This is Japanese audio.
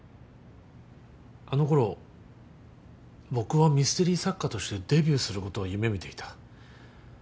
あのころ僕はミステリー作家としてデビューすることを夢見ていた。